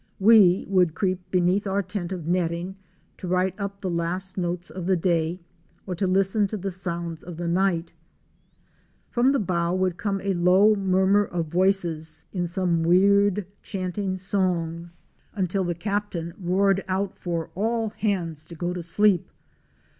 We would creep beneath our tent of netting to write up the last notes of the day or to listen to the sounds of the night. From the bow would come a low murmur of voices in some weird chanting song until the 84 OUR SEARCH FOR A WILDERNESS. Captain roared out for all hands to go to sleep.